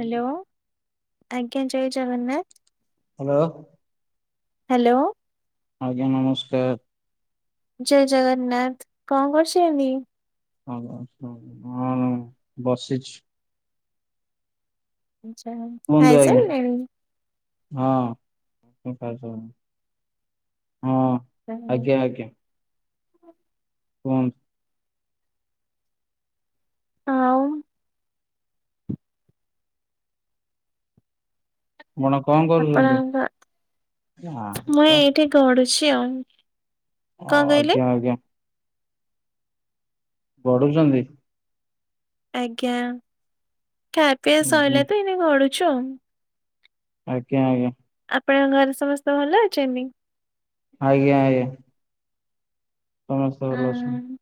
Hello, ଆଜ୍ଞା ଜୟ Jagannath. Hello. Hello. ଆଜ୍ଞା, ନମସ୍କାର। ଜୟ ଜଗନ୍ନାଥ। କଣ କରୁଛନ୍ତି? [inaudible] ହଁ [inaudible] ବସିଛି। ଆଚ୍ଛା ହଉ କୁହନ୍ତୁ ଖାଇ ଆଜ୍ଞା। ସାରିଲେଣି? ହଁ ମୁଁ ଖାଇ ସାରିଲିଣି ହଁ ଆଜ୍ଞା, ଆଜ୍ଞା। [unintelligible] ଆଉ। ଆପଣ କଣ କରୁଛନ୍ତି ଆପଣଙ୍କ ନା ମ ଗଡ଼ୁଛି ଆଉ ଅ କଣ କହିଲେ ଆଜ୍ଞା ଆଜ୍ଞା ଗଡୁଛନ୍ତି ଆଜ୍ଞା ଖାଆପିଆ ହୁଁ। ହୁଁ ସଇଲା ତ ଏଇନେ ଗଡୁଛୁ ଆଉ ଆଜ୍ଞା ଆଜ୍ଞା ଆପଣଙ୍କ ଘରେ ସମସ୍ତେ ଭଲ ଅଛନ୍ତି ଆଜ୍ଞା ଆଜ୍ଞା ସମସ୍ତେ ଭଲ ଅଛନ୍ତି, ହଁ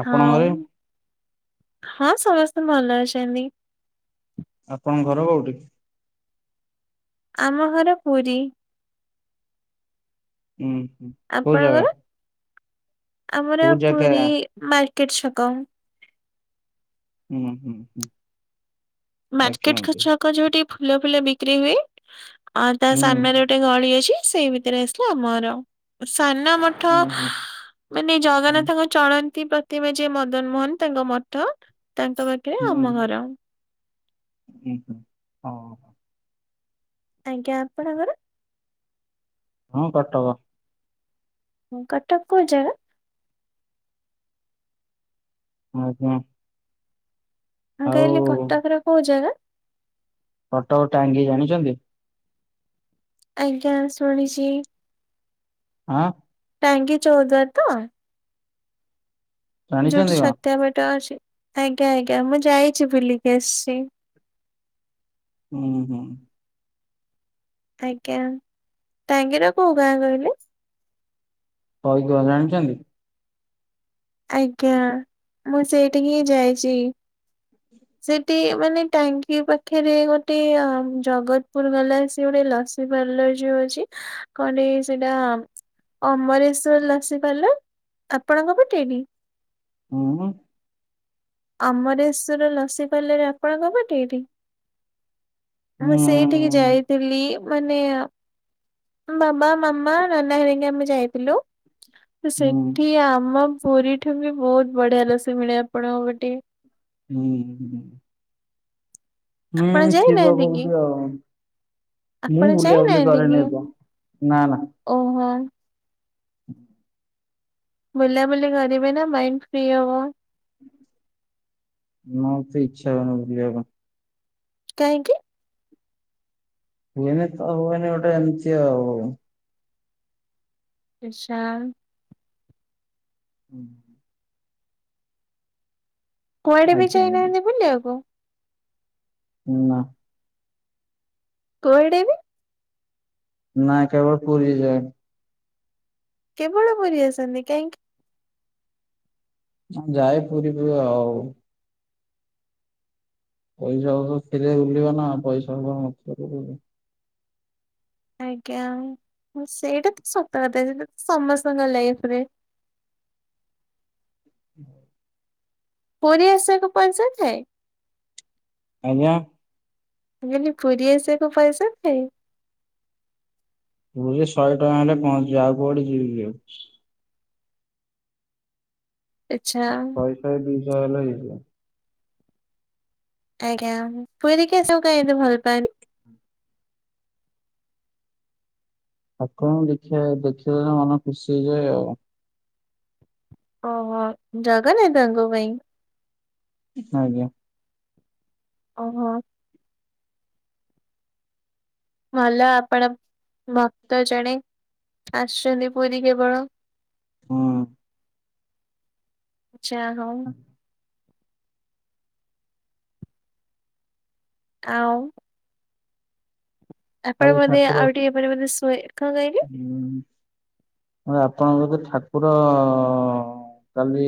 ଆପଣ ହଁ ଘରେ? ହଁ ସମସ୍ତେ ଭଲ ଅଛନ୍ତି ଆପଣଙ୍କ ଘର କୋଉଠି ଆମ ଘର ପୁରୀ ହୁଁ କୋଉ ଜାଗା ଆପଣଙ୍କର ଆମର କୋଉ ଜାଗା? ପୁରୀ ମାର୍କେଟ ଛକ, [inaudible] ହୁଁ ହୁଁ ଆଜ୍ଞା ମାର୍କେଟ ଆଜ୍ଞା ଛକ ଯୋଉଠି ଫୁଲ ଫୁଲ ବିକ୍ରି ହୁଏ ଆଉ ତା ହୁଁ ସାମ୍ନାରେ ଗୋଟେ ଗଳି ଅଛି ସେଇ ଭିତରେ ଆସିଲେ ଆମ ଘର ସାମ୍ନା ମ ଠ ହୁଁ ମାନେ ହୁଁ ଜଗନ୍ନାଥଙ୍କ ଚଳନ୍ତି ପ୍ରତିମା ଯେ ମଦନ ମୋହନ ତାଙ୍କ ମଠ ତାଙ୍କ ହୁଁ ଆମ ଘର। ହୁଁ ହଁ ଆଜ୍ଞା ଆପଣଙ୍କର ହଁ କଟକ ହୁଁ କଟକ କୋଉ ଜାଗା, ଆଉ କଣ ହଁ କହିଲି କଟକର କୋଉ ଜାଗା କଟକ ଟାଙ୍ଗି ଜାଣିଛନ୍ତି ଆଜ୍ଞା ଶୁଣିଛି ଆଁ ଟାଙ୍ଗୀ ଚୋଉଦ୍ଵାରା ତ ଯୋଉଠି ଜାଣିଛନ୍ତି କଣ ଛତ୍ୟା ବାଟ ଅଛି ଆଜ୍ଞା ଆଜ୍ଞା ମୁଁ ଯାଇଛି ବୁଲିକି ଆସିଛି ହୁଁ ହୁଁ ଆଜ୍ଞା ଟାଙ୍ଗିର କୋଉ ଗାଁ କହିଲେ [inaudible] ହଉ କହ ଜାଣିଛନ୍ତି ଆଜ୍ଞା ମୁଁ ସେଇଠିକି ହିଁ ଯାଇଛି ସେଠି ମାନେ ଟାଙ୍ଗୀ ପାଖରେ ଗୋଟେ ଅ ଜଗତପୁର ଵାଲା ସେ ଗୋଟେ ଲସି ସେ ପାଲର ଯୋଉ ଅଛି କଣ ଟେ ସେଇଟା ଅମରେଶ୍ଵର ଲସି ପାଲର ଆପଣଙ୍କ ପଟେଇଟି ହୁଁ ଅମରେଶ୍ୱର ଲସି ପାଲର ଆପଣ ପଟେ ଏଇଠି ହଁ ସେଇଠି ଯାଇଥିଲି ମାନେ ବାବା ମାମା ନାନ ହେରିକା ଆମେ ଯାଇଥିଲୁ ହୁଁ ସେଠି ଆମ ପୁରୀଠୁ ବି ବହୁତ ବଢିଆ ଲସି ମିଳେ ଆପଣଙ୍କ ପଟେ ହୁଁ ହୁଁ ଆପଣ ହୁଁ ଥିବ ଯାଇନାହାନ୍ତି କି କୋଉଠି ଆଉ ମୁଁ ଆପଣ ବୁଲାବୁଲି କରେନି ଏତେ ନା ନା ଓ, ନା। [unintelligible] ବୁଲାବୁଲି କରିବେ ନା ମାଇଣ୍ଡ ଫ୍ରି ହବ। [inaudible] ମୋତେ ଇଚ୍ଛା ହୁଏନା ବୁଲିବାପାଇଁ। କାଇଁକି? [unintelligible] ଆଚ୍ଛା। ହୁଁ। କୁଆଡ଼େ ବି ଆଜ୍ଞା ଆଜ୍ଞା ଯାଇନାହାନ୍ତି ବୁଲିବାକୁ? ନା। କୁଆଡ଼େ ବି? ନାଁ କେବଳ ପୁରୀ କି ଯାଇନି। କେବଳ ପୁରି ଆସନ୍ତିି। କାହିଁକି? ଯାଏ ପୁରୀ କି ଆଉ। ପଇସାପତ୍ର ଥିଲେ ବୁଲିବ ନା ଆଉ। ପଇସା ନ ଥିଲେ ବୁଲିବୁ। ଆଜ୍ଞା। ହୁଁ ସେଇଟା ତ ଶତ କଥା ସେଟା ତ ସମସ୍ତଙ୍କ ଲାଇଫରେ। ହୁଁ। ପୁରୀ ଆସିବାକୁ ପଇସାଥାଏ? ଆଜ୍ଞା? ମୁଁ କହିଲି ପୁରୀ ଆସିବାକୁ ପଇସା ଥାଏ? ପୁରୀ ଶହେ ଟଙ୍କା ହେଲେ ପହଞ୍ଚିବି। ଆଉ କୁଆଡ଼େ ଯିବି ବୁଲିବାକୁ। ଆଚ୍ଛା। ସେତେବେଳେ ତୁ ଜଏନ ହେଇଯିବୁ। ଆଜ୍ଞା। ପୁୁରୀକି ଆସିବାକୁ କାଇଁକି ଏତେ ଭଲ ପାଆନ୍ତି? ଠାକୁରଙ୍କୁ ଦେଖିବା ଦେଖିଦେଲେ ମନ ଖୁସି ହେଇଯାଏ ଆଉ। ଓହୋ, ଜଗନ୍ନାଥଙ୍କ ପାଇଁ? ଆଜ୍ଞା। ଓହୋ। ଭଲ ଆପଣ ଭକ୍ତ ଜଣେ। ଆସୁଛନ୍ତି ପୁରୀ କେବଳ। ହୁଁ। ଆଚ୍ଛା ହଉ। ଆଉ? ଆପଣ କାଲି ବୋଧେ ଠାକୁର ଆଉ ଟିକେ ପରେ ବୋଧେ ଶୋଇବେ? କଣପାଇଁ? ହୁଁ। ନା ଆପଣଙ୍କ ବୋଧେ ଠାକୁର କାଲି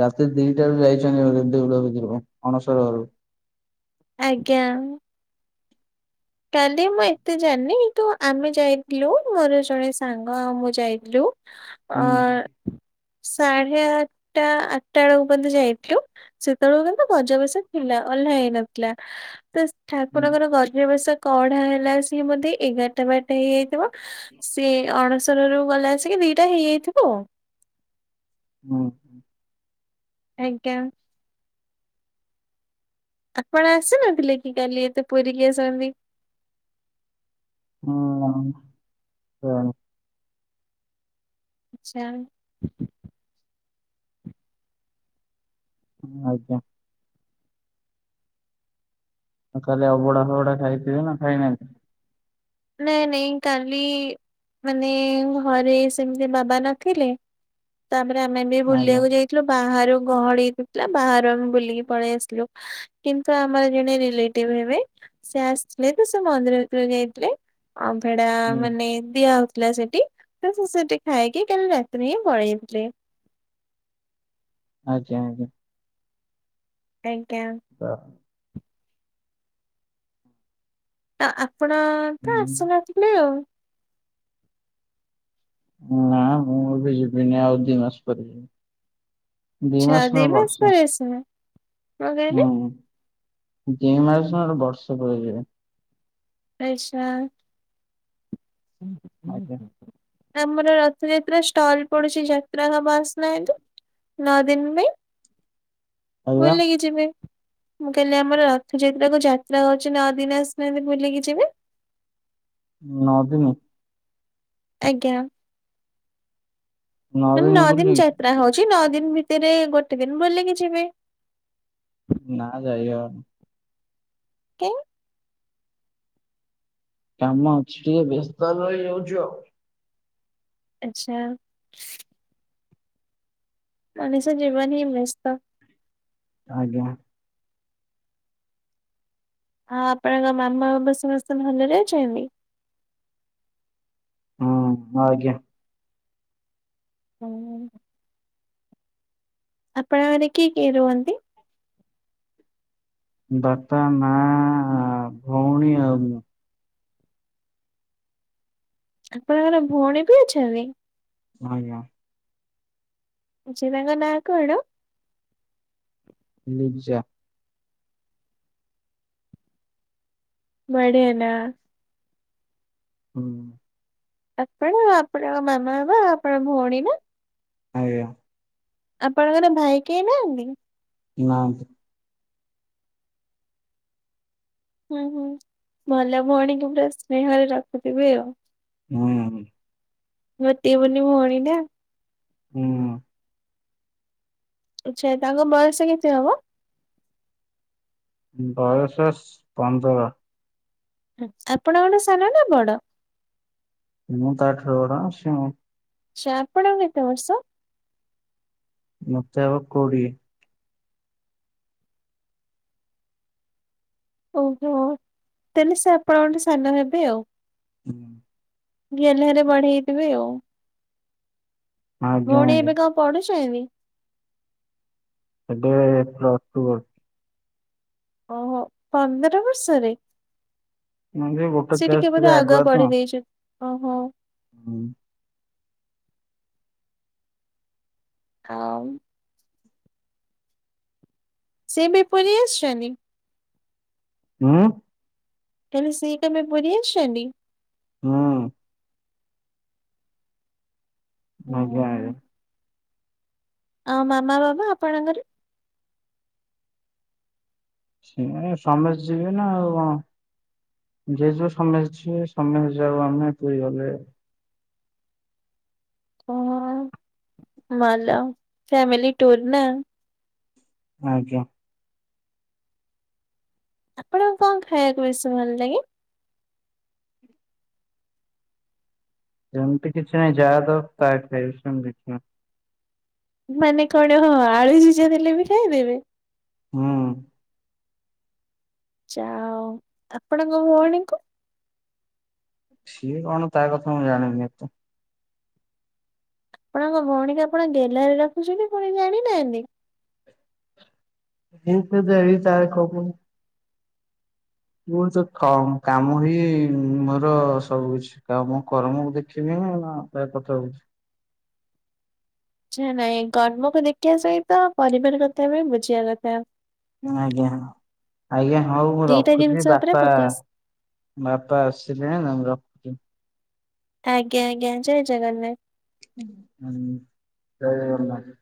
ରାତି ଦିଟାରୁ ଯାଇଛନ୍ତି। ଦେଉଳ ଭିତରୁକୁ ଅଣସରଘରୁ। ଆଜ୍ଞା। କାଲି ମୁଁ ଏତେ ଜାଣିନି। କିନ୍ତୁ ଆମେ ଯାଇଥିଲୁ। ମୋର ଜଣେ ସାଙ୍ଗ ଆଉ ମୁଁ ଯାଇଥିଲୁ। ଆ ହୁଁ ସାଢେ ଆଠଟା ଆଠଟା ବେଳକୁ ବୋଧେ ଯାଇଥିଲୁ। ସେତେବେଳକୁ କିନ୍ତୁ ଗଜବେସ ଥିଲା। ଓହ୍ଲା ହେଇନଥିଲା। ବାସ ଠାକୁରଙ୍କର ଗଜବେଶ କଢା ହେଲା ସିଏ ବୋଧେ ଏଗାରଟା ବାରଟା ହେଇଯାଇଥିବ। ସିଏ ଅଣସରରୁ ଗଲେ ଆସିକି ଦିଟା ହେଇଯାଇଥିବ ଆଉ। ହୁଁ। ଆଜ୍ଞା। ଆପଣ ଆସିନଥିଲେ କି କାଲି? ଏତ ପୁରୀକି ଆସନ୍ତି। ହୁଁ, [unintelligible] ଆଚ୍ଛା। ଆଜ୍ଞା। କାଲି ଅବଢା ଫବଡା ଖାଇଥିଲେ ନା ଖାଇନାହାନ୍ତି? ନେ ନେଇ କାଲି ମାନେ ଘରେ ସେମିତି ବାବା ନଥିଲେ ତାପରେ ଆମେ ବି ଆଜ୍ଞା ବୁଲିବାକୁ ଯାଇ ଥିଲୁ ବାହାରୁ ଗହଳି ହେଇଥିଲା ବାହାରୁ ଆମେ ବୁଲିକି ପଳେଇ ଆସଥିଲୁ। କିନ୍ତୁ ଆମର ଜଣେ ରିଲେଟିଭ ହେବେ ସେ ଆସିଥିଲେ ତ ସେ ମନ୍ଦିର ଭିତରୁ ଯାଇଥିଲେ। ଅ ଭେଡା ଆଜ୍ଞା। ମାନେ ଦିଆ ହଉଥିଲା ସେଠି। ତ ସେ ସେଠି ଖାଇକି କାଲି ରାତିରେ ହିଁ ପଳେଇଥିଲେ। ଆଜ୍ଞା ଆଜ୍ଞା। ଆଜ୍ଞା। ଅ। ତ ଆପଣ ତ ହୁଁ ଆସୁନଥିଲେ ଆଉ। ନା ମୁଁ ଏବେ ଯିବିିନି ଆଉ ଦିଇ ମାସ ପରେ ଯିବି। ଦୁଇ ଆଚ୍ଛା ମାସ ଦି ନୁହ ବର୍ଷ। [unintelligible] କଣ କହିଲେ ହୁଁ ଦି ମାସଟ ବର୍ଷେ ପରେ ଯିବି। ପଇସା। ଆଜ୍ଞା। ଆମର ରଥଯାତ୍ରା ଷ୍ଟଲ୍ ପଡୁଛି ଯାତ୍ରା [unintelligible] ନଅ ଦିନ ପାଇଁ ଆଜ୍ଞା ବୁଲିକି ଯିବେ। ମୁଁ କହିଲି ଆମର ରଥଯାତ୍ରା କୁ ଯାତ୍ରା ହଉଛି ନଅଦିିନ ଆସୁନାହାନ୍ତି ବୁଲିକି ଯିବେ। ନଅ ଦିନି। ଆଜ୍ଞା ମାନେ ଦିନି ନଅ ଦିନ ବୁଲି ଯ ଯାତ୍ରା ହଉଛି ନଅ ଦିନ ଭିତରେ ଗୋଟେ ଦିନ ବୁଲିକି ଯିବେ। ନା ଯାଇ ହବନି। କେ କାମ ଅଛି ଟିକେ ବ୍ୟସ୍ତ ରହିଯାଉଛି ଆଉ। ଆଛା। ମଣିଷ ଜୀବନ ହି ବେସ୍ତ। ଆଜ୍ଞା। ଆ ଆପଣଙ୍କ ମାମା ବାପା ସମସ୍ତେ ଭଲରେ ଅଛନ୍ତି ହୁଁଁ, ଆଜ୍ଞା। ହୁଁ। ଆପଣ ଘରେ କିଏ କିଏ ରୁହନ୍ତି? ବାପା ମା ଭଉଣୀ ଆଉ ମୁଁ। ଆପଣଙ୍କର ଭଉଣୀ ବି ଅଛନ୍ତି। ଆଜ୍ଞା। ଯନାଙ୍କ ନାଁ କଣ? ଲିଜା। ମ ଆଡେ ନା। ହୁଁ। ଆପଣ ଆପଣଙ୍କ ମାମା ବା ବା ଆପଣ ଭଉଣୀ ନା। ଆଜ୍ଞା। ଆପଣଙ୍କର ଭାଇ କେହି ନାହାନ୍ତି? ନାଁନ୍ତି। ହୁଁ ହୁଁ ଭଲ ଭଉଣୀକୁ ପୁରା ସ୍ନେହରେ ରଖୁଥିବେ ଆଉ। ହୁଁ। ଗୋଟିଏ ବୋଲି ଭଉଣୀ ନା। ହୁଁ। ଆଚ୍ଛା ତାଙ୍କ ବୟସ କେତେ ହବ? ବୟସସ୍ ପନ୍ଦର। ହଁ ଆପଣଙ୍କଠୁ ସାନ ନା ବଡ? ମୁଁ ତାଠାରୁ ବଡ ଆସିମ। ଚା ଆପଣଙ୍କୁ କେତେ ବର୍ଷ? ମତେ ହବ କୋଡ଼ିଏ। ଓହୋ ତେଣୁ ସେ ଆପଣଙ୍କଠୁ ସାନ ହେବେ ଆଉ। ହୁଁ। ଗେହ୍ଲାରେ ବଢେଇଥିବେ ଆଉ। ଆଜ୍ଞା ଭଉଣୀ ଆଜ୍ଞା ଏବେ କଣ ପଢୁଛ ମି? ଏବେ ପ୍ଲସଟୁ ପଢୁଚି। ଓହୋ ପନ୍ଦର ବର୍ଷରେ! ମୁଁ ବି ଗୋଟେ ସେ କ୍ଲାସ ଟିକିଏ ବୋଧେ ଟିକେ ଆଗୁଆ ତ। ପଢି ଦେଇଚନ୍ତି। ଓହୋ। ହୁଁ। ହଁମ। ସେ ବି ପଳେଇ ଆସିଛନ୍ତି? ହୁଁ। ତାନେ ସେଇ ତମେ ପୁରୀ ଆସିଛନ୍ତି? ହଁ। ନଗୁଆ ହୁଁ। ହେରିକା। ଆଉ ମାମା ବାବା ଆପଣଙ୍କର? ସେମାନେ ସମସ୍ତେ ଯିବେ ନା ଆଉ କଣ। ଜେଜ ସମଛେ ଯିବେ ସମୟ ଯାଉ ଆମେ ପୁରୀ ଗଲେ। ହଁ ଭଲ ଫ୍ୟାମିଲି ଟୁୁର ନା? ଆଜ୍ଞା। ଆପଣଙ୍କୁ କଣ ଖାଇବାକୁ ବେଶୀ ଭଲ ଲାଗ? ସେମିତି କିଛି ନାହିଁ ଯାହା ଦବ ତା ଖାଇବି। ସେମିତି କିଛି ନାହିଁ। ମାନେ କଣ ହଁ ଆଳୁ ସିଜା ଦେଲେ ବି ଖାଇଦେବେ? ହୁଁ। ଚାଓ। ଆପଣଙ୍କ ଭଉଣୀକୁ? ସିଏ କଣ ତା କଥା ମୁଁ ଜାଣିନି ଏତେ। ଆପଣଙ୍କ ଭଉଣୀ ଆପଣ ଗେହ୍ଲାରେ ରଖୁଛନ୍ତି ପୁଣି ଜାଣିନାହାନ୍ତି? ଇନତି ଦେହି ତାରେକପୁର୍। ମୁଁ ତ କାମ୍ କାମ ହି ମୋର ସବୁ କିଛି। ନା ମୁଁ କର୍ମକୁ ଦେଖିବି ନା ଖିଆପିଆ ପଚାରୁଛି। ଇଛା ନାଇଁ କର୍ମକୁ ଦେଖିବା ସହିତ ପରିବାର କଥା ବି ବୁଝିବା କଥା। ହଁ ଆଜ୍ଞା। ଆଜ୍ଞା ହଉ ମୁଁ ଦିଟା ରଖୁଚି ଜିନିଷ ଉପରେ ବାପା ଫୋକସ ବାପା ଆସିଲେଣି ନା ମୁଁ ରଖ୍ ଆଜ୍ଞା ଆଜ୍ଞା ଜୟ ଜଗନ୍ନାଥ। ହୁଁ ଜୟ ଜଗନ୍ନାଥ।